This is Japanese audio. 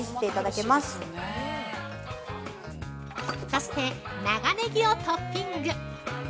◆そして長ネギをトッピング。